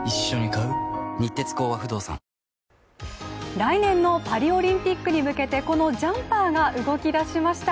来年のパリオリンピックに向けてこのジャンパーが動きだしました。